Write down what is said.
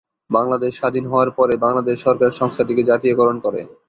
বাংলাদেশ স্বাধীন হওয়ার পরে বাংলাদেশ সরকার সংস্থাটিকে জাতীয়করণ করে।